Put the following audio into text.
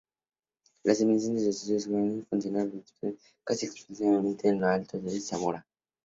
Las emisiones de los estudios de Görlitz funcionaron inicialmente casi exclusivamente en alto sorabo.